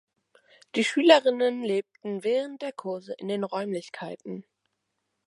Die Schülerinnen lebten während der Kurse in den Räumlichkeiten.